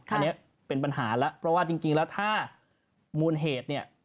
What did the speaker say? อันนี้เป็นปัญหาแล้วเพราะว่าจริงแล้วถ้ามูลเหตุเนี่ย